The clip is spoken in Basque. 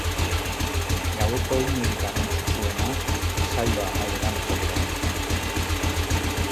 Gaueko unerik garrantzitsuena saio amaieran etorri da.